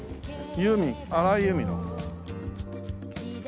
ユーミン荒井由実の。